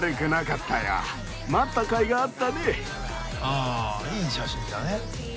ああいい写真だね。